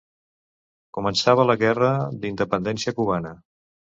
Començava la guerra d'independència cubana.